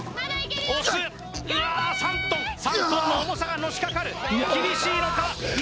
押すうわ３ｔ３ｔの重さがのしかかる厳しいのか？